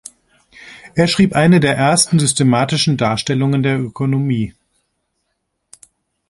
Er schrieb eine der ersten systematischen Darstellungen der Ökonomie.